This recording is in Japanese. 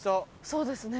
そうですね